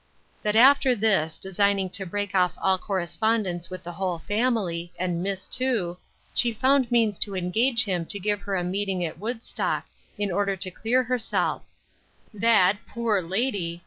That after this, designing to break off all correspondence with the whole family, and miss too, she found means to engage him to give her a meeting at Woodstock, in order to clear herself: That, poor lady!